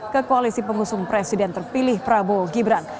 ke koalisi pengusung presiden terpilih prabowo gibran